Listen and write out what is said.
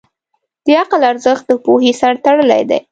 د عقل ارزښت د پوهې سره تړلی دی.